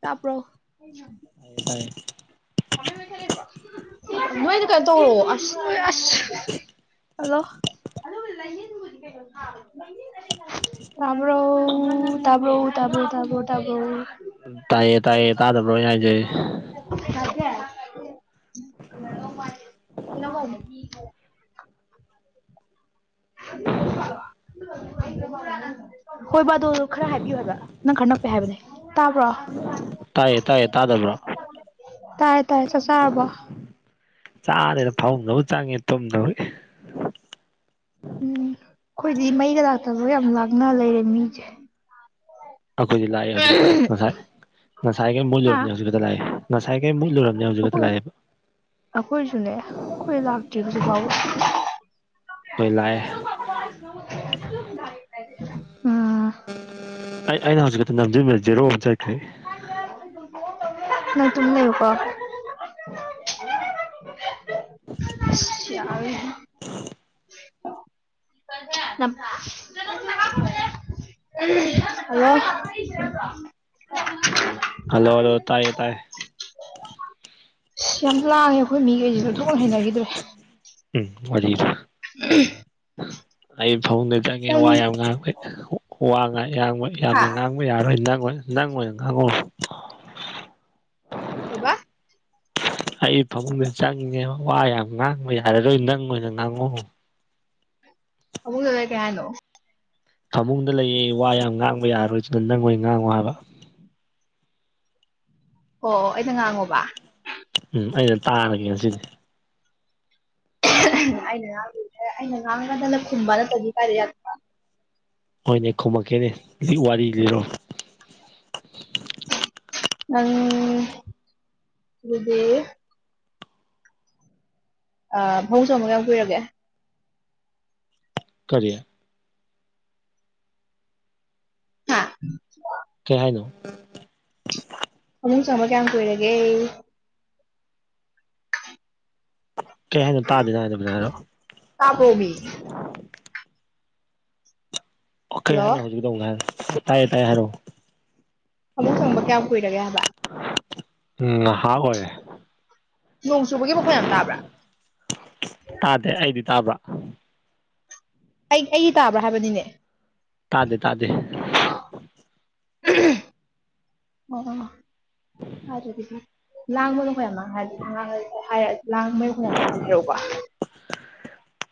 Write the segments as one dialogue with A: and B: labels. A: ꯇꯥꯕ꯭ꯔꯣ
B: ꯇꯥꯏꯌꯦ
A: [unintelligible] ꯅꯣꯏꯗꯨ ꯀꯩꯅꯣ ꯇꯧꯔꯛꯑꯣ ꯑꯁ ꯑꯁ ꯍꯜꯂꯣ ꯇꯥꯕ꯭ꯔꯣꯎ ꯇꯥꯕ꯭ꯔꯧ ꯇꯥꯕ꯭ꯔꯧ ꯇꯥꯕ꯭ꯔꯣ ꯇꯥꯕ꯭ꯔꯧ
B: ꯇꯥꯏꯌꯦ ꯇꯥꯏꯌꯦ ꯇꯥꯗꯕ꯭ꯔꯣ ꯑꯩꯅ ꯍꯥꯏꯖꯦ
A: [unintelligible] [unintelligible] [unintelligible] ꯍꯣꯏꯕ ꯑꯗꯣ ꯈꯔ ꯍꯥꯏꯕꯤꯌꯨ ꯍꯥꯏꯕ ꯅꯪ ꯈꯔ ꯅꯛꯄꯩ ꯍꯥꯏꯕꯅꯦ ꯇꯥꯕ꯭ꯔꯣ
B: ꯇꯥꯏꯌꯦ ꯇꯥꯏꯌꯦ ꯇꯥꯗꯕ꯭ꯔꯣ
A: ꯇꯥꯔꯦ ꯇꯥꯔꯦ ꯆꯥꯛ ꯆꯥꯔꯕꯣ
B: ꯆꯥꯔꯦꯗ ꯐꯃꯨꯡꯗꯕꯨ ꯆꯪꯉꯦ ꯇꯨꯝꯗꯧꯒꯤ
A: ꯎꯝ ꯑꯩꯈꯣꯏꯗꯤ ꯃꯩꯒꯥ ꯂꯥꯛꯇꯕꯒ ꯌꯥꯝ ꯂꯥꯡꯅ ꯂꯩꯔꯦ ꯃꯤꯖꯦ
B: ꯑꯩꯈꯣꯏꯗꯤ ꯂꯥꯛꯑꯦ ꯍꯧꯖꯤꯛꯈꯛꯇ ꯉꯁꯥꯏ ꯉꯁꯥꯏꯒꯩ
A: ꯍꯥ
B: ꯃꯨꯠꯂꯨꯔꯕꯅꯦ ꯍꯧꯖꯤꯛ ꯈꯛꯇ ꯂꯥꯛꯑꯦ ꯉꯁꯥꯏꯒꯩ ꯃꯨꯠꯂꯨꯔꯝꯅꯦ ꯍꯧꯖꯤꯛ ꯈꯛꯇ
A: ꯑꯩꯈꯣꯏ
B: ꯂꯥꯛꯑꯦꯕ
A: ꯑꯩꯈꯣꯏꯁꯨꯅꯦ ꯑꯩꯈꯣꯏ ꯂꯥꯛꯇ꯭ꯔꯤ ꯍꯧꯖꯤꯛꯐꯥꯎꯕ
B: ꯇꯣꯏ ꯂꯥꯛꯑꯦ
A: [unintelligible] ꯎꯝ
B: ꯑꯩ ꯑꯩꯅ ꯍꯧꯖꯤꯛ ꯈꯛꯇ ꯅꯝꯖꯟꯕꯗꯥ ꯖꯦꯔꯣ ꯑꯃ ꯆꯠꯈ꯭ꯔꯦ
A: ꯅꯪ ꯇꯨꯃꯤꯟ ꯂꯩꯌꯨꯀꯣ
B: [inaudible]
A: ꯏꯁ ꯌꯥꯔꯔꯣꯏꯍꯦ [unintelligible] [unintelligible]
B: ꯍꯜꯂꯣ ꯍꯜꯂꯣ ꯇꯥꯏꯌꯦ ꯇꯥꯏꯌꯦ
A: ꯌꯥꯝ ꯂꯥꯡꯉꯦ ꯑꯩꯈꯣꯏ ꯃꯤꯒꯩꯖꯦ ꯑꯣꯟꯊꯣꯛꯅ ꯍꯩꯅꯒꯤꯗ꯭ꯔꯦ
B: ꯎꯝ ꯋꯥꯔꯤꯗ ꯑꯩ ꯐꯥꯃꯨꯡꯗ ꯆꯡ ꯉꯦ
A: ꯅꯪ
B: ꯋꯥ ꯌꯥꯝ ꯉꯥꯡꯕꯩ ꯋꯥ ꯉꯥꯡ ꯌꯥꯝꯋꯩ
A: ꯍꯥ
B: ꯌꯥꯝꯅ ꯉꯥꯡ ꯃꯣꯏ ꯌꯥꯔꯔꯣꯏ ꯅꯪ ꯑꯣꯏ ꯅꯪ ꯑꯣꯏꯅ ꯉꯥꯡꯉꯣ
A: ꯀꯩꯕ
B: ꯑꯩ ꯐꯃꯨꯡꯗ ꯆꯪꯉꯦꯕ ꯋꯥ ꯌꯥꯝ ꯉꯥꯡꯕ ꯌꯥꯔꯕꯣꯏ ꯅꯪ ꯑꯣꯏꯅ ꯉꯥꯡꯉꯣ
A: ꯑꯃꯨꯛ ꯂꯂ ꯀꯦ ꯍꯥꯏꯜꯅꯣ [inaudible]
B: ꯐꯃꯨꯡꯗ ꯂꯩꯌꯦ ꯋꯥ ꯌꯥꯝ ꯉꯥꯡꯕ ꯌꯥꯔꯣꯏꯗꯨꯅ ꯅꯪꯑꯣꯢ ꯉꯥꯡꯉꯣ ꯍꯥꯏꯕ
A: ꯑꯣ ꯑꯣ ꯑꯩꯩꯅ ꯉꯥꯡꯉꯣꯕ
B: ꯎꯝ ꯑꯩꯅ ꯇꯥꯔꯒꯦ ꯉꯁꯤꯗꯤ
A: ꯑꯩꯅ ꯉꯥꯡ ꯑꯩꯅ ꯉꯥꯡꯒꯗꯅ ꯈꯨꯝꯕ ꯅꯠꯇꯗꯤ ꯀꯥꯏꯗ
B: ꯍꯣꯏꯅꯦ ꯈꯨꯝꯃꯛꯀꯦꯅꯦ ꯍꯧꯖꯤꯛ ꯋꯥꯔꯤ ꯂꯤꯔꯛꯑꯣ
A: ꯅꯪ ꯑꯗꯨꯗꯤ ꯐꯃꯨꯛ ꯆꯪꯕ ꯀꯌꯥꯝ ꯀꯨꯏꯔꯒꯦ
B: ꯀꯔꯤ
A: ꯍꯥ
B: ꯀꯩ ꯍꯥꯏꯅꯣ
A: ꯐꯃꯨꯡ ꯆꯪꯕ ꯀꯌꯥꯝ ꯀꯨꯏꯔꯒꯦ
B: ꯀꯩ ꯍꯥꯏꯅꯣ ꯇꯥꯗꯦ ꯅꯪ ꯍꯥꯢꯗꯣ
A: ꯇꯥꯕꯔꯣꯃꯦ
B: ꯑꯣ ꯀꯩ ꯍꯥꯏꯅꯣ
A: ꯍꯜꯂꯣ
B: ꯍꯧꯖꯤꯛꯒꯥꯗꯣ ꯑꯃꯨꯛꯒ [inaudible] ꯍꯥꯏ ꯇꯥꯏꯌꯦ ꯇꯥꯏꯌꯦ ꯍꯥꯏꯔꯣ
A: ꯐꯃꯨꯛ ꯆꯪꯕ ꯀꯌꯥꯝ ꯀꯨꯏꯔꯒꯦ ꯍꯥꯏꯕ
B: ꯎꯝ ꯅꯍꯥꯛ ꯑꯣꯢꯔꯦ
A: ꯅꯣꯡ ꯆꯨꯕꯒꯤ ꯃꯈꯣꯏ ꯌꯥꯝ ꯇꯥꯕ꯭ꯔꯥ
B: ꯇꯥꯗꯦ ꯑꯩꯗꯤ ꯇꯥꯕ꯭ꯔ
A: ꯑꯩ ꯑꯩꯒꯤ ꯇꯥꯕ꯭ꯔꯥ ꯍꯥꯏꯕꯅꯤꯅꯦ
B: ꯇꯥꯗꯦ ꯇꯥꯗꯦ
A: [inaudible] ꯂꯥꯡꯕꯅꯣꯈꯌꯥꯝ ꯃꯥꯡ ꯍꯥꯏꯔꯗꯤꯥꯡ ꯂꯥꯡꯕꯅꯣꯈꯌꯥꯝꯈꯔꯣꯀꯣ [inaudible]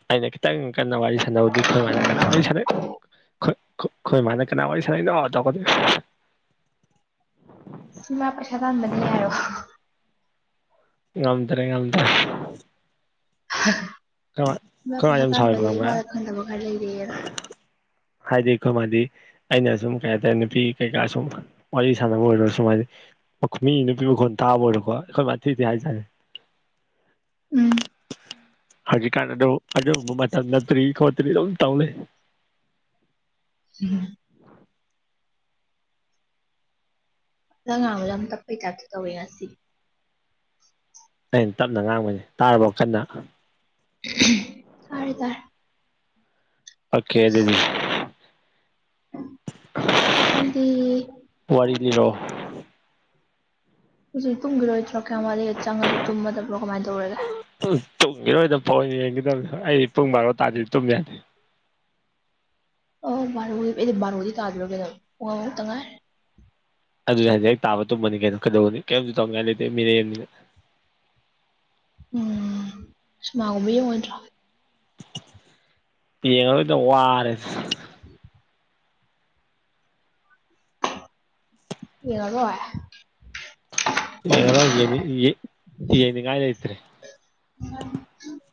B: ꯑꯩꯅ ꯈꯤꯇꯪ ꯀꯟꯅ ꯋꯥꯔꯤ ꯁꯥꯟꯅꯕꯗꯤ ꯈꯣꯏ ꯃꯅꯥ ꯀꯅꯥ ꯋꯥꯔꯤ ꯁꯥꯟꯅꯩ ꯈꯣꯏ ꯃꯥꯅ ꯀꯅꯥ ꯋꯥꯔꯤ ꯁꯥꯟꯅꯩꯅꯣ ꯇꯧꯔꯛꯒꯅꯤ
A: ꯢꯃꯥ ꯄꯩꯁꯥ ꯇꯥꯟꯕꯅꯦ ꯍꯥꯢꯌꯣ
B: ꯉꯝꯗꯔꯦ ꯉꯝꯗꯔꯦ
A: ꯏꯃꯥ
B: ꯃꯥ
A: ꯄꯩꯁꯥ
B: ꯌꯥꯝ ꯁꯥꯎꯋꯦꯕ
A: ꯇꯥꯟꯕꯅꯦ
B: ꯈꯪꯕ꯭ꯔꯥ
A: ꯏꯃꯥꯅ ꯈꯪꯗꯕ ꯈꯔ ꯂꯩꯔꯦꯅ
B: ꯍꯥꯏꯗꯤ ꯑꯩꯈꯣꯏ ꯃꯥꯗꯤ ꯑꯩꯅ ꯁꯨꯝ ꯀꯩ ꯍꯥꯏꯇꯥꯔꯦ ꯅꯨꯄꯤ ꯀꯩꯀꯥ ꯁꯨꯝ ꯋꯥꯔꯤ ꯁꯥꯟꯅꯕ ꯑꯣꯏꯔꯁꯨ ꯁꯨꯝ ꯃꯤ ꯅꯨꯄꯤ ꯃꯈꯣꯟ ꯇꯥꯕ ꯑꯣꯏꯔꯣꯀꯣ ꯑꯩꯈꯣꯏ ꯊꯤꯊꯤ ꯍꯥꯏꯖꯠꯅꯤ
A: ꯎꯝ
B: ꯍꯧꯖꯤꯛꯀꯥꯟꯗꯣ ꯑꯗꯨ ꯃꯇꯝ ꯅꯠꯇ꯭ꯔꯤ ꯈꯣꯠꯇ꯭ꯔꯤ ꯑꯗꯨꯝ ꯇꯧ ꯂꯩ
A: ꯎꯝ [inaudible] ꯅꯪ ꯉꯥꯡꯕꯁꯦ ꯌꯥꯝ ꯇꯥꯞꯄꯩ ꯇꯥꯢꯞ ꯇꯧꯋꯦ ꯉꯁꯤ
B: ꯑꯩꯅ ꯇꯞꯅ ꯉꯥꯡꯕꯩꯅꯦ ꯇꯥꯔꯕꯣ ꯀꯥꯟꯅ
A: ꯇꯥꯔꯦ ꯇꯔꯦ
B: ꯑꯣꯀꯦ ꯑꯗꯨꯗꯤ
A: ꯑꯩꯗꯤ
B: ꯋꯥꯔꯤ ꯂꯤꯔꯛꯑꯣ
A: ꯍꯧꯖꯤꯛ ꯇꯨꯝꯈꯤꯔꯣꯏꯗ꯭ꯔꯣ ꯀꯌꯥꯝ ꯋꯥꯂꯤ ꯆꯪꯉꯗꯤ ꯇꯨꯝꯈꯤꯔꯣꯢꯗꯔꯣ ꯀꯃꯥꯏꯅ ꯇꯧꯔꯒꯦ
B: ꯎꯝ ꯇꯨꯝꯒꯤꯔꯣꯏ ꯐꯣꯜ ꯌꯦꯡꯒꯗꯕꯅꯦ ꯑꯩ ꯄꯨꯡ ꯕꯥꯔꯣ ꯇꯥꯗꯤ ꯇꯨꯝ ꯌꯥ
A: ꯑꯣ ꯕꯥꯥꯔꯣꯗꯤ ꯑꯩꯗꯤ ꯕꯥꯔꯣꯗꯤ ꯇꯥꯗꯔꯣ [inaudible] ꯀꯗꯣ ꯋꯥ ꯇꯉꯥꯏ
B: ꯑꯗꯨꯅ ꯍꯧꯖꯤꯛ ꯑꯩ ꯇꯥꯕ ꯇꯨꯝꯃꯅꯤ ꯀꯩꯗꯧꯔꯨꯅꯤ ꯀꯔꯤꯝꯇ ꯇꯧꯅꯤꯡꯉꯥꯏ ꯂꯩꯇꯦ ꯃꯤꯔꯦꯝꯅꯤ
A: ꯎꯝ ꯁꯤꯃꯥꯒꯨꯝꯕ ꯌꯦꯡꯉꯣꯢꯗ꯭ꯔꯣ
B: ꯌꯦꯡꯉꯔꯣꯢꯗ ꯋꯥꯔꯦ
A: ꯗꯤ [inaudible] ꯌꯦꯡꯉꯥꯔꯣꯢ
B: ꯌꯦꯡꯉꯥꯔꯣꯢ ꯌꯦꯡꯅꯤꯡꯉꯥꯏ ꯂꯩꯇ꯭ꯔꯦ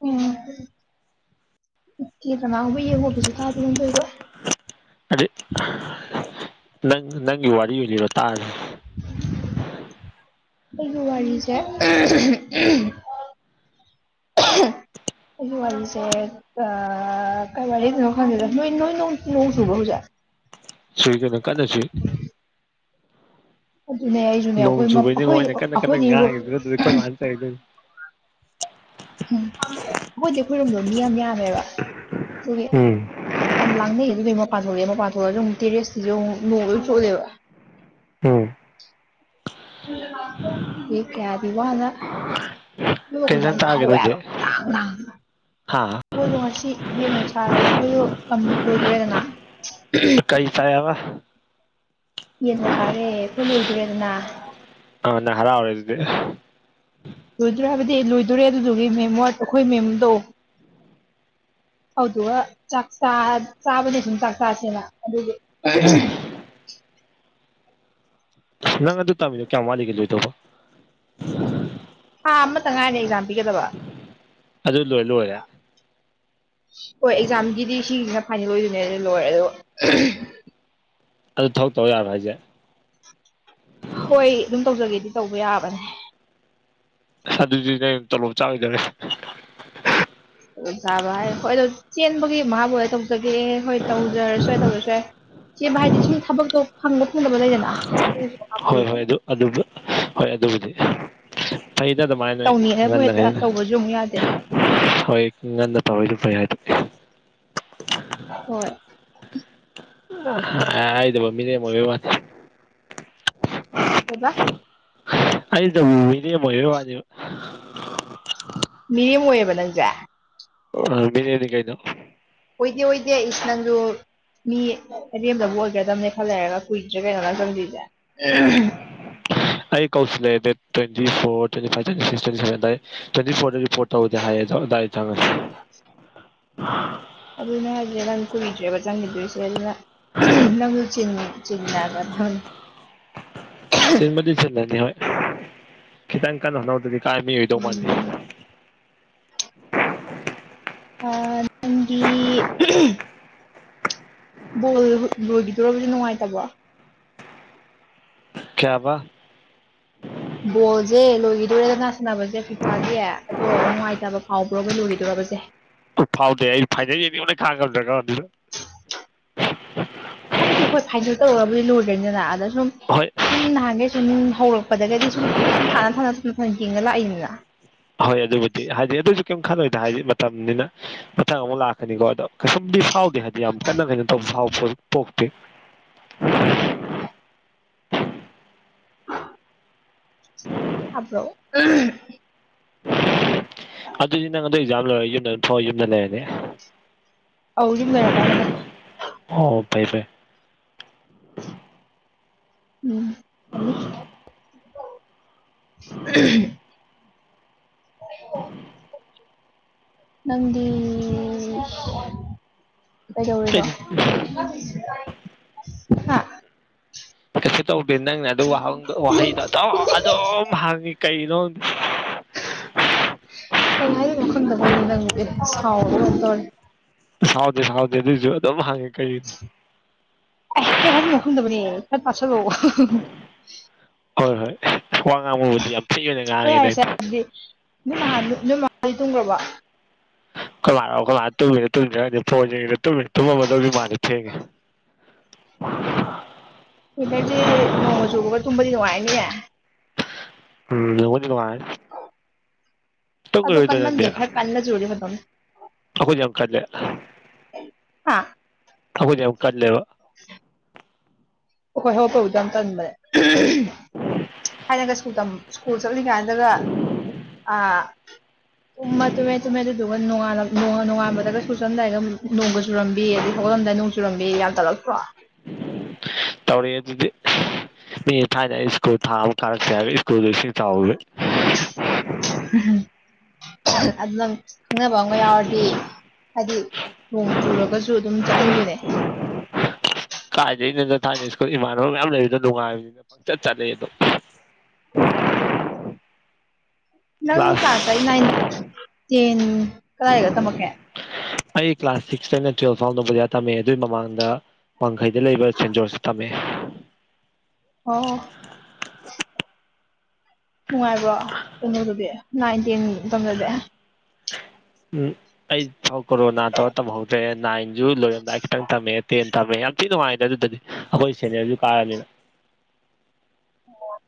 A: ꯎꯝ ꯏꯦꯗꯅꯥꯕ ꯌꯦꯡꯍꯨꯕꯁꯨ ꯊꯥꯗꯅꯣꯝ ꯊꯣꯏꯗꯣꯏ [inaudible]
B: ꯅꯪ ꯅꯪꯒꯤ ꯋꯥꯔꯤ ꯑꯣꯏꯅ ꯂꯤꯔꯣ ꯇꯥꯔꯒꯦ
A: ꯑꯩꯒꯤ ꯋꯥꯔꯤꯁꯦ [unintelligible] ꯑꯩ ꯋꯥꯔꯤꯁꯦ ꯑ ꯀꯩ ꯋꯥꯔꯤ ꯂꯤꯗꯣꯢꯅꯣ ꯈꯪꯗꯦꯗ ꯅꯣꯏ ꯅꯣꯏ ꯅꯣꯡ ꯆꯨꯕ꯭ꯔꯣ ꯍꯧꯖꯤꯛ
B: ꯆꯨꯏ ꯀꯩꯅꯣ ꯀꯟꯅ ꯆꯨꯏ
A: ꯑꯈꯣꯢꯁꯨꯅꯦ
B: ꯅꯣꯡ ꯆꯨꯕꯩꯅꯤꯉꯣ ꯑꯩꯅ ꯀꯟꯅ ꯀꯟꯅ ꯉꯥꯏꯉꯤꯁꯤ ꯅꯇꯗꯤ ꯑꯩꯈꯣꯏ ꯃꯥꯅ ꯆꯩꯗꯣꯏꯅꯤ
A: ꯑꯈꯣꯏꯗꯤ ꯈꯣꯢꯔꯣꯝꯗꯣ ꯃꯤ ꯌꯥꯝ ꯌꯥꯝꯃꯦꯕ ꯑꯗꯨꯒꯤ
B: ꯎꯝ
A: ꯌꯥꯝ ꯂꯥꯡꯅꯩ ꯑꯗꯨꯒꯤ ꯃꯄꯥꯟ ꯊꯣꯛꯂꯛꯑꯦ ꯃꯄꯥꯟ ꯊꯣꯛꯂꯑꯁꯨ ꯑꯃꯨꯛ ꯇꯦꯔꯦꯁꯁꯤꯁꯨꯨ ꯅꯣꯡ ꯂꯣꯏ ꯆꯣꯠꯂꯦꯕ
B: ꯎꯝ
A: [unintelligible] ꯀꯌꯥꯗꯤ ꯋꯥꯅ
B: ꯀꯩ ꯏꯟꯖꯥꯡ
A: [unintelligible]
B: ꯆꯥꯔꯒꯦ ꯅꯣꯏꯗꯤ
A: ꯍꯧꯋꯦꯕꯈꯣꯏ ꯂꯥꯡ ꯂꯥꯡꯗꯅ
B: ꯍꯥ
A: ꯃꯈꯣꯏꯗꯣ ꯉꯁꯤ ꯌꯦꯟ ꯑꯣꯢ ꯆꯔꯦ ꯑꯩꯈꯣꯏꯗꯣ ꯑꯃꯨ ꯂꯣꯏꯗꯣꯔꯦꯗꯅ
B: ꯀꯩ ꯆꯥꯑꯦꯕ
A: ꯌꯦꯡꯕꯣ ꯆꯥꯔꯦ ꯑꯩꯈꯣꯏ ꯂꯣꯏꯗꯣꯔꯦꯗꯅ
B: ꯑ ꯅꯪ ꯍꯔꯥꯎꯔꯦ ꯑꯗꯨꯗꯤ
A: ꯂꯣꯏꯗꯣꯔꯦ ꯍꯥꯏꯕꯗꯤ ꯂꯣꯏꯗꯣꯔꯦ ꯑꯗꯨꯗꯨꯒꯤ ꯃꯦꯝ ꯋꯥ ꯑꯩꯈꯣꯏ ꯃꯦꯝꯗꯣ ꯑꯗꯨꯗꯨꯒ ꯆꯥꯛꯆꯥ ꯆꯥꯕꯗꯤ ꯑꯗꯨꯝ ꯆꯥꯛ ꯆꯥꯁꯦꯅ ꯑꯗꯨꯒꯤ
B: ꯑꯣ ꯅꯪ ꯑꯗꯨ ꯇꯝꯃꯤꯗꯣ ꯀꯌꯥꯝ ꯋꯥꯠꯂꯤꯒꯦ ꯂꯣꯏꯗꯣꯕ
A: ꯊꯥ ꯑꯃꯇ ꯉꯥꯏꯔꯦ ꯑꯦꯛꯖꯥꯝ ꯄꯤꯒꯗꯕ
B: ꯑꯗꯨ ꯂꯣꯏ ꯂꯣꯏꯔꯦ
A: ꯍꯣꯏ ꯑꯦꯛꯖꯥꯝꯒꯤꯗꯤ ꯁꯤꯁꯤꯅ ꯐꯥꯏꯅꯦꯜ ꯑꯣꯏꯗꯣꯏꯅꯦ ꯑꯗꯨ ꯂꯣꯏꯔꯦ ꯑꯗꯣ
B: ꯑꯗꯨ ꯊꯕꯛ ꯇꯧ ꯌꯥꯕ꯭ꯔꯥ ꯍꯥꯏꯁꯦ
A: ꯍꯣꯏ ꯑꯗꯨꯝ ꯇꯧꯖꯒꯦꯗꯤ ꯇꯧꯕ ꯌꯥꯕꯅꯦ
B: ꯑꯗꯨꯖꯨꯅꯦ ꯇꯣꯂꯣꯞ ꯆꯥꯒꯤꯗꯧꯔꯦ
A: ꯇꯣꯂꯣꯞ ꯆꯥꯕ ꯍꯥꯏ ꯍꯣꯏ ꯑꯗꯣ ꯆꯦꯟꯕꯒꯤ ꯃꯍꯥꯕꯨ ꯑꯗꯨ ꯇꯧꯖꯒꯦ ꯍꯣꯏ ꯇꯧꯖꯔꯁꯨ ꯌꯥꯏ ꯇꯧꯗ꯭ꯔꯁꯨ ꯌꯥꯏ ꯀꯦꯕ ꯍꯥꯏꯗꯤ ꯁꯨꯝ ꯊꯕꯛꯇꯣ ꯐꯪꯕ ꯐꯪꯗꯕ ꯂꯩꯗꯅ ꯑꯗꯨ
B: ꯍꯣꯏ ꯍꯣꯏ ꯑꯗꯨ ꯑꯗꯨ ꯍꯣꯏ ꯑꯗꯨꯕꯨꯗꯤ ꯐꯩꯅ ꯑꯗꯨꯃꯥꯏꯅꯣꯏ
A: ꯇꯧꯅꯤꯡꯉꯕꯨ ꯍꯦꯛꯇ
B: ꯉꯟꯅꯉꯩꯗ
A: ꯇꯧꯕꯁꯨ ꯑꯃꯨꯛ ꯌꯥꯗꯦ
B: ꯍꯣꯏ ꯉꯟꯅ ꯇꯧꯔꯤꯗꯣ ꯐꯩ [unintelligible]
A: ꯍꯣꯏ
B: [unintelligible] ꯍꯥꯏꯗ ꯃꯤꯔꯦꯝ ꯑꯣꯢꯕꯩ ꯋꯥꯅꯤ
A: ꯀꯩꯕꯥ
B: ꯑꯩꯗꯨꯝ ꯃꯤꯔꯦꯝ ꯑꯣꯢꯕꯩ ꯋꯥꯅꯤ
A: ꯃꯤꯔꯦꯝ ꯑꯣꯏꯌꯦꯕ ꯅꯪꯁꯦ
B: ꯑ ꯃꯤꯔꯦꯝꯅꯤ ꯀꯩꯅꯣ
A: ꯑꯣꯏꯗꯦ ꯑꯣꯏꯗꯦ ꯏꯁ ꯅꯪꯗꯨ ꯃꯤ ꯑꯔꯦꯝꯗꯕ ꯑꯣꯏꯒꯗꯕꯅꯦ ꯈꯜ ꯂꯩꯔꯒ ꯀꯨꯏꯗ꯭ꯔꯦ ꯀꯩꯅꯣ ꯅꯪ ꯆꯪꯗꯣꯢꯁꯦ
B: ꯑꯩ ꯀꯧꯁꯤꯜꯂꯛꯑꯦ [unintelligible] ꯇꯧꯗꯦ ꯍꯥꯏꯌꯦ ꯑꯗꯨꯗꯥꯏꯗ ꯆꯪꯉ
A: [inaudible]
B: [inaudible]
A: ꯑꯗꯨꯅꯦ ꯍꯥꯏꯖꯤ ꯅꯪ ꯀꯨꯏꯗ꯭ꯔꯦꯕ ꯆꯪꯈꯤꯗꯣꯏꯁꯦ ꯑꯗꯨꯅ ꯅꯪꯁꯨ ꯆꯤꯟ ꯆꯤꯟꯗꯥꯒꯗꯅꯤ
B: ꯆꯤꯟꯕꯨꯗꯤ ꯆꯤꯟꯂꯅꯤ ꯍꯣꯏ ꯈꯤꯇꯪ ꯀꯟꯅ ꯍꯣꯠꯅꯧꯗꯗꯤ ꯀꯥꯏ ꯃꯤ ꯑꯣꯏꯗꯧ ꯃꯥꯥꯟꯗꯦ
A: ꯎꯝ ꯑꯥ ꯅꯪꯗꯤ [unintelligible] ꯕꯣꯜ ꯂꯣꯏꯈꯤꯗꯣꯔꯕꯨꯗꯤ ꯅꯨꯡꯉꯥꯏꯇꯕ꯭ꯔꯣ
B: ꯀꯌꯥꯕ
A: ꯕꯣꯜꯁꯦ ꯂꯣꯏꯈꯤꯗꯣꯔꯦꯗꯅꯅꯥ ꯁꯥꯟꯅꯕꯁꯦ ꯐꯤꯐꯥꯒꯤ ꯑꯗꯣ ꯅꯨꯡꯉꯥꯏꯇꯕ ꯐꯥꯎꯕ꯭ꯔꯣꯒ ꯂꯣꯏꯈꯤꯗꯣꯏꯕꯁꯦ
B: ꯎ ꯐꯥꯎꯗꯦ ꯑꯩ ꯐꯥꯏꯗ ꯈꯥꯗ꯭ꯔꯒ ꯑꯗꯨ
A: ꯍꯥꯏꯕꯗꯤ ꯍꯣꯏ ꯐꯥꯏꯅꯦꯜ ꯇꯧꯕꯨꯗꯤ ꯂꯣꯏꯗ꯭ꯔꯣꯏꯅꯤꯗꯅ ꯑꯗ ꯁꯨꯝ
B: ꯍꯣꯏ
A: ꯁꯨꯝ ꯅꯍꯥꯟꯒꯩ ꯁꯨꯝ ꯍꯧꯔꯛꯄꯗꯗꯒꯤꯗꯤ ꯁꯨꯝ ꯁꯨꯝ ꯊꯥꯅ ꯊꯝꯅ ꯊꯅ ꯊꯅ ꯌꯦꯡꯅ ꯂꯥꯛꯏꯅꯤꯅ
B: ꯍꯣꯏ ꯑꯗꯨꯕꯨꯗꯤ ꯍꯥꯏꯗꯤ ꯑꯗꯨꯁꯨ ꯀꯔꯤꯝ ꯈꯜꯂꯣꯏꯗ ꯍꯥꯏꯗꯤ ꯃꯇꯝꯅꯤꯅ ꯃ ꯊ ꯑꯃ ꯂꯅꯤꯒꯗ ꯁ ꯐꯥꯎꯗ ꯌꯥꯝ ꯀꯟꯅ ꯀꯟꯅ ꯇꯧꯕ ꯐꯥꯎ ꯄꯣꯛꯇꯦ
A: ꯑꯞ꯭ꯔꯣ
B: ꯑꯗꯨꯗꯤ ꯅꯪꯗꯣ ꯑꯦꯛꯖꯥꯝꯣꯏꯔꯒ ꯌꯨꯝꯗ ꯑꯗꯨꯝꯥꯎ ꯌꯨꯝꯗꯅꯦ
A: ꯑ ꯑꯗꯨꯨꯝ ꯂꯩꯔꯗꯕꯅꯦ
B: ꯑꯣ ꯄꯥꯏ ꯄ
A: ꯎꯝ ꯅꯪꯗꯤ ꯀꯩꯗꯧꯔꯤꯕꯣ
B: ꯑꯩꯗꯤ ꯀꯩꯁꯨ ꯇꯧꯗꯦ ꯅꯪꯅꯦ ꯑꯗꯨꯍ ꯋꯥꯍꯩꯗꯣ ꯑꯗꯨꯝ ꯍꯪꯉꯤ ꯀꯩꯅꯣ
A: ꯀꯩ ꯍꯥꯏꯗꯅꯣ ꯈꯪꯗꯕꯩꯅꯤ ꯅꯪꯕꯨ ꯁꯥꯎꯕꯔꯣꯝꯗꯣꯔꯦ
B: ꯁꯥꯎꯇ ꯁꯥꯎꯊ ꯑꯗꯨꯁꯨ ꯑꯗꯨꯣ ꯃꯥꯥꯡꯉꯦ ꯀꯩ
A: ꯑꯦ ꯀꯩ ꯍꯥꯏꯗꯤ ꯉꯍꯟꯗꯕꯅꯦ ꯈꯔ ꯄꯥꯁꯜꯂꯣ
B: ꯍꯣꯏ ꯍꯣꯏ ꯋꯥ ꯉꯥꯡꯕꯕꯨꯗꯤ ꯌꯥꯝ ꯐꯤ ꯑꯣꯏꯅ
A: ꯍꯣꯏ
B: ꯉꯥꯡꯉꯦꯅ
A: ꯌꯥꯔꯦꯁꯦ
B: ꯑꯩꯗꯣ
A: ꯑꯗꯨꯗꯤ ꯅꯃꯤ ꯃꯥꯥ ꯇꯣꯡꯈ꯭ꯔꯕꯣ
B: ꯏ ꯂꯥꯛꯛꯑꯣꯣꯏꯥꯛ ꯇꯨꯝꯃꯤꯗ ꯇꯨꯝꯁꯤ꯭ꯔꯒꯗꯤ ꯐꯣꯟ ꯇꯨꯝꯃꯦ ꯇꯨꯝꯃꯝꯃꯗꯧꯗꯤ ꯃꯥꯗꯤ ꯐꯦꯡꯉꯦ [inaudible]
A: ꯍꯇꯔꯁꯦ ꯅꯣꯡꯃ ꯆꯨꯕꯒ ꯇꯨꯝꯕꯗꯤ ꯅꯨꯡꯉꯥꯏꯅꯤꯌꯦ
B: ꯎꯝ ꯍꯅꯤꯀꯉꯥꯏ
A: ꯑꯣ ꯀꯥꯟ ꯃꯦꯔ ꯀꯥꯟꯗꯅ ꯖꯨꯔꯤ ꯇꯣ
B: ꯑꯈꯣꯏꯖ ꯌꯥꯝ ꯈꯥꯗꯂꯦ
A: ꯍꯥ
B: ꯊꯥꯛ ꯌꯥꯝ ꯀꯜꯂꯦꯕ
A: [inaudible] ꯑꯣ ꯍꯣꯏ ꯍꯣꯏ ꯍꯣꯏ ꯎ ꯌꯥꯝ ꯌꯥꯝ ꯇꯕꯦ ꯍꯥꯏꯅꯒ ꯁꯜ ꯁ꯭ꯀꯨꯜ ꯆꯠꯂꯤ ꯀꯥꯟꯗꯒ ꯑ ꯇꯃ ꯇꯃꯦ ꯇ ꯑꯗꯨ ꯑꯗꯨꯒꯉ ꯅꯣꯡ ꯅꯣꯡꯉꯥꯟꯕꯗꯒ ꯁꯨꯔ ꯆꯝꯗꯥꯏꯒ ꯅꯣꯡꯒ ꯆꯨꯔꯝꯕꯤ ꯑꯗꯩ ꯍꯧꯒꯠꯂꯝꯗꯥꯏꯗꯣꯡ ꯆꯨꯔꯝꯕꯤ ꯌꯥꯝ ꯇꯠꯂꯛ ꯍ
B: ꯇꯧꯔꯛꯑꯦ ꯑꯗꯨꯗꯤ ꯃꯤ ꯊꯥꯏꯗ ꯁ꯭ꯀꯨꯜ ꯊꯥ ꯑꯃ ꯀꯥꯔꯛꯇꯦ ꯍꯥꯏꯔꯒ ꯁ꯭ꯀꯨꯜꯗꯨꯣ ꯏꯁꯤꯡ ꯆꯥꯎ
A: ꯑꯗꯨꯅ ꯈꯪꯅꯕ ꯑꯃ ꯌꯥꯎꯔꯗꯤ ꯍꯥꯏꯗꯤ ꯅꯣꯡ ꯆꯨꯔꯒꯁꯨ ꯑꯗꯨꯝ ꯆꯠꯅꯤꯡꯗꯣꯏꯅꯦ
B: ꯀꯥꯏꯗꯒꯤꯩ ꯅ ꯊꯥꯏꯅ ꯁ꯭ꯀꯨꯜ ꯏꯃꯥꯟꯅꯕ ꯃꯌꯥꯝ ꯂꯩꯕꯗꯣ ꯅꯨꯡꯉꯥꯏꯕꯅꯤꯅ ꯄꯪꯆꯠ ꯆꯠꯂꯦ ꯑꯗꯣ
A: ꯅꯪ ꯀ꯭ꯂꯥꯁ ꯑꯩ ꯅꯥꯏꯟ ꯇꯦꯟ ꯀꯗꯥꯏꯒ ꯇꯝꯃꯛꯀꯦ
B: ꯑꯩ ꯀ꯭ꯂꯥꯁ ꯁꯤꯛꯇꯩꯅ ꯇꯨꯌꯦꯞ ꯐꯥꯎ ꯅꯣꯕꯣꯗꯤꯌꯥ ꯗ ꯇꯝꯃꯛꯑꯦ ꯑꯗꯨꯏ ꯃꯃꯥꯡꯗ ꯋꯥꯡꯈꯩꯗ ꯂꯩꯕ ꯁꯦꯟꯖꯣꯔꯁ ꯇ ꯇꯝꯃꯛꯑꯦ
A: ꯑꯣ ꯅꯨꯡꯉꯥꯏꯕ꯭ꯔꯣ ꯀꯩꯅꯣꯗꯨꯗꯤ ꯅꯥꯏ ꯇꯦꯟ ꯃꯇꯝꯗꯗꯤ
B: ꯎꯝ ꯑꯩ ꯀꯣꯔꯣꯅꯥ ꯇꯧꯔ ꯇꯝꯍꯧꯗ꯭ꯔꯦ ꯅꯥꯏꯟꯁꯨ ꯂꯣꯏꯔꯝꯗꯥꯏ ꯈꯤꯇꯪ ꯇꯝꯃꯦ ꯇꯨꯌꯦꯞ ꯊꯝꯃꯤꯉꯩ ꯌꯥꯝ ꯊꯤ ꯅꯨꯡꯉꯥꯏꯗ ꯑꯗꯨꯗꯗꯤ ꯑꯩꯈꯣꯏ ꯁꯦꯅꯤꯌꯔꯁꯨ ꯀꯥꯔꯕꯅꯤꯅ
A: ꯑꯣ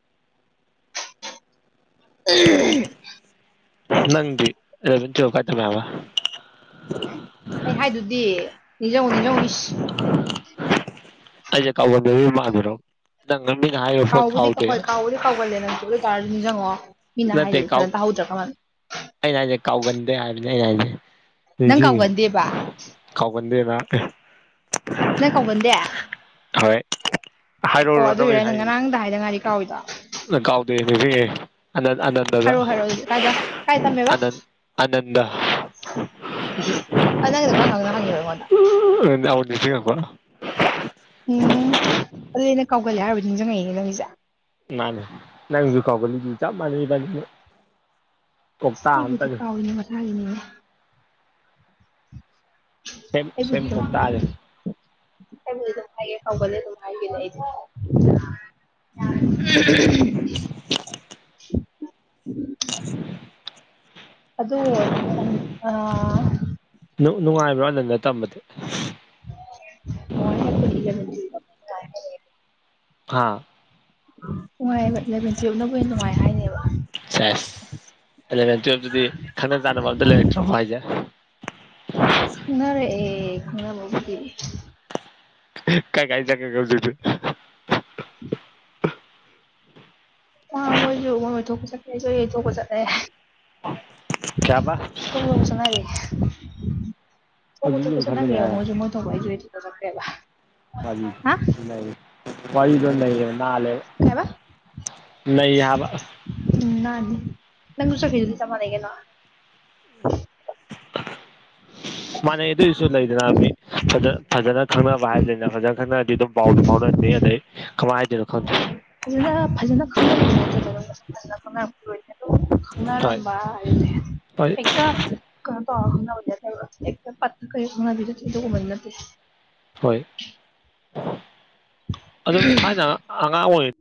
A: ꯑꯩ
B: ꯅꯪꯒꯤ ꯏꯂꯥꯕꯦꯟ ꯇꯤꯌꯦꯞ ꯀꯥꯏ ꯇꯝꯃꯛꯑꯦ ꯍꯥꯏꯕ
A: ꯑꯩ ꯍꯥꯏꯗꯨꯗꯤ ꯅꯤꯡꯖꯤꯡꯉꯣ ꯅꯤꯡꯖꯤꯡꯉꯣ ꯏꯁ
B: ꯑꯩꯁꯦ ꯀꯥꯎꯒꯟꯕ ꯃꯥꯟꯕꯔꯣ ꯅꯪ ꯃꯤꯅ ꯍꯥꯏꯈꯤꯕ ꯄꯣꯠ ꯀꯥꯎꯗꯦ ꯌꯥꯅꯤ
A: ꯀꯧꯒꯜꯂꯦ ꯅꯪꯁꯨ ꯑꯗꯨ ꯄꯥꯔꯥ ꯅꯤꯡꯁꯤꯡꯉꯣ ꯃꯤꯅ
B: ꯅꯠꯇꯦ
A: ꯍꯥꯏꯁꯦ
B: ꯀꯥꯎ
A: ꯐꯖꯅ ꯇꯥꯍꯧꯗ꯭ꯔꯕ
B: ꯑꯩꯅ ꯍꯥꯏꯁꯦ ꯀꯥꯎꯒꯟꯗꯦ ꯍꯥꯏꯕꯅꯦ ꯑꯩꯅ ꯍꯥꯏꯗꯤ
A: ꯅꯪ
B: ꯅꯤꯡꯁꯤꯡꯉꯤ
A: ꯀꯥꯎꯒꯟꯗꯦꯕ
B: ꯀꯥꯎꯒꯟꯗꯦꯕꯥ ꯑꯝꯇ
A: ꯅꯪ ꯀꯧꯒꯟꯗꯦ
B: ꯍꯣꯏ
A: ꯑꯣ
B: ꯍꯥꯏꯔꯛꯎꯔꯣ
A: ꯑꯗꯨꯏꯔ ꯅꯪ
B: ꯍꯥꯏꯔꯤꯕꯁꯦ
A: ꯉꯔꯥꯡꯗ ꯍꯥꯏꯗ ꯉꯥꯏꯔꯤ ꯀꯥꯎꯔꯤꯗꯣ
B: ꯀꯥꯎꯗꯦ ꯅꯤꯡꯖꯤꯡꯉꯦ
A: ꯍꯥꯏꯔꯣ ꯍꯥꯏꯔꯣ ꯑꯗꯨꯗꯤ ꯀꯥꯏꯗ ꯀꯥꯏ ꯇꯝꯃꯦꯕ
B: ꯑꯅꯟ ꯑꯅꯟꯗ
A: ꯏꯁꯤꯡ ꯅꯪꯒꯤꯗꯣ ꯈꯪ ꯈꯪ ꯍꯪꯏꯔꯣ ꯑꯩꯉꯣꯟꯗ
B: ꯑꯃꯨꯛ ꯅꯤꯡꯖꯡꯉꯛꯄ
A: ꯎꯝ ꯑꯗꯨꯗꯤ ꯑꯩꯅ ꯀꯥꯎꯒꯜꯂꯦ ꯍꯥꯏꯔꯨꯕꯩ ꯅꯤꯡꯁꯤꯡꯉꯛꯏꯅꯦ ꯅꯪꯒꯤꯁꯦ
B: ꯃꯥꯟꯅꯦ ꯅꯪꯖꯨ ꯀꯥꯎꯒꯜꯂꯤ ꯆꯞ ꯃꯥꯟꯅꯩ ꯏꯕꯥꯟꯅꯤ ꯃꯛ
A: ꯑꯩꯕꯨꯗꯤ ꯀꯧꯌꯦ ꯃꯁꯥꯒꯤꯅꯦ
B: ꯁꯦꯝ ꯁꯦꯝ
A: ꯑꯩꯕꯨꯗꯤ ꯑꯗꯨꯝ
B: ꯀꯧꯇꯥꯅꯤ
A: ꯑꯩꯕꯨꯗꯤ ꯑꯗꯨꯝ ꯍꯥꯏꯌꯦ ꯀꯧꯒꯟꯂꯦ ꯑꯗꯨꯝ ꯍꯥꯏꯗꯨꯗꯤ ꯑꯩꯗꯤ [unintelligible]
B: [inaudible] [unintelligible]
A: ꯑꯗꯣ ꯎꯝ ꯑꯥ
B: ꯅꯨꯡ ꯅꯨꯡꯉꯥꯏꯕꯔꯣ ꯑꯅꯟꯗ ꯇꯝꯕꯗꯤ
A: ꯅꯨꯡꯉꯥꯏꯍꯦ ꯑꯩꯈꯣꯏ ꯏꯂꯕꯦꯟ ꯗꯤ
B: ꯍꯥꯥ
A: ꯅꯨꯡꯉꯥꯏꯌꯦꯕ ꯏꯂꯚꯦꯟ ꯇꯨꯌꯦꯞꯅꯕꯨ ꯍꯦꯟꯅ ꯅꯨꯡꯉꯥꯏ ꯍꯥꯏꯅꯦꯕ
B: ꯁꯦꯁ ꯑꯦꯂꯚꯦꯟ ꯇꯨꯌꯦꯞꯇꯗꯤ ꯈꯪꯅ ꯆꯥꯟꯅꯕ ꯑꯝꯇ ꯂꯩꯔꯛꯇ꯭ꯔꯕꯣ ꯍꯥꯏꯁꯦ
A: ꯈꯪꯅꯔꯛꯑꯦ ꯈꯪꯅꯥꯕꯕꯨꯗꯤ
B: ꯀꯥꯏ ꯀꯥꯏ ꯆꯠꯈꯔꯒꯦ ꯍꯧꯖꯤꯛ ꯇꯤ
A: [unintelligible] ꯑꯥ ꯃꯣꯏꯁꯨ ꯃꯣꯏ ꯃꯣꯏ ꯊꯣꯛꯄ ꯆꯠꯈꯔꯦ ꯑꯩꯁꯨ ꯑꯩ ꯑꯩ ꯊꯣꯛꯄ ꯆꯠꯂꯦ
B: ꯀꯩ ꯍꯥꯏꯕꯥ
A: ꯊꯣꯛꯄ ꯊꯣꯛꯄ ꯆꯠꯅꯔꯦ ꯊꯣꯛꯄ
B: ꯍꯧꯖꯤꯛ
A: ꯊꯣꯛꯄ
B: ꯌꯦꯡꯊꯠꯂꯨꯔꯦ
A: ꯆꯠꯅꯈꯔ‌ꯦꯕ
B: ꯍꯥꯏꯔ
A: ꯃꯣꯏꯁꯨ ꯃꯣꯢ ꯇꯧꯕꯩꯁꯨ ꯏꯊꯟꯇꯥ ꯆꯠꯈꯔꯦꯕ
B: [unintelligible] ꯋꯔꯤꯗꯣ ꯂꯩ ꯅꯥꯟꯂꯦ
A: ꯀꯩꯕ
B: ꯅꯩ ꯍꯥꯏꯕ
A: ꯎꯝ ꯅꯥꯟꯅꯤ ꯅꯪꯁꯨ ꯆꯠꯈꯔ꯭ꯤꯗꯨꯗꯤ ꯆꯞ ꯃꯥꯟꯅꯩ ꯀꯩꯅꯣ
B: ꯃꯥꯟꯅꯩ ꯑꯗꯨꯑꯣꯏꯁꯨ ꯂꯩꯗꯅ ꯃꯤ ꯐꯖ ꯐꯖꯅ ꯈꯪꯅꯕ ꯍꯥꯏꯁꯤꯅ ꯐꯖꯅ ꯈꯪꯅꯔꯗꯤ ꯑꯗꯨꯝ ꯄꯥꯎꯖꯨ ꯐꯥꯎꯅꯔꯅꯤ ꯑꯗꯩ ꯀꯃꯥꯏ ꯍꯥꯏꯗꯣꯏꯅꯣ ꯈꯪꯗꯦ
A: ꯐꯖꯅ ꯐꯖꯅ ꯈꯪꯅꯕ ꯗꯤ ꯅꯠꯇꯦꯗꯅꯗꯣ ꯐꯖꯅꯥ ꯈꯪꯅꯥ ꯂꯣꯏ ꯑꯗꯨꯝ
B: ꯍꯣꯏ
A: ꯈꯪꯅꯔꯝꯕ ꯍꯥꯏꯗꯨꯗꯤ
B: ꯍꯣꯏ
A: ꯍꯦꯛꯇ ꯀꯩꯅꯣ ꯇꯧꯔ ꯈꯪꯅꯕꯗꯤ ꯅꯠꯇꯦꯕ ꯍꯦꯛꯇ ꯄꯥꯠ ꯇꯈꯩ ꯈꯪꯅꯕ ꯑꯗꯨꯒꯨꯝꯕꯗꯤ ꯅꯠꯇꯦ
B: ꯍꯣꯏ ꯑꯗꯨꯝ ꯊꯥꯏꯅ ꯑꯉꯥꯡ ꯑꯣꯏꯔꯤ